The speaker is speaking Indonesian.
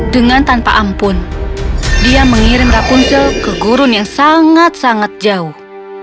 dengan tanpa ampun dia mengirim rapunzel ke gurun yang sangat sangat jauh